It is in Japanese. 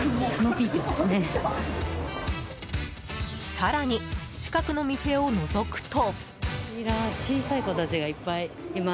更に近くの店をのぞくと。